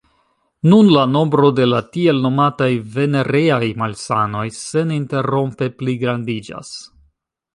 Nun la nombro de la tiel nomataj venereaj malsanoj seninterrompe pligrandiĝas.